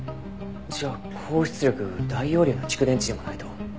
じゃあ高出力大容量の蓄電池でもないと。